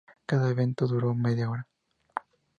Cada evento duró media hora.